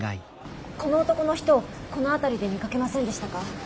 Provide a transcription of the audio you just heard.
この男の人この辺りで見かけませんでしたか？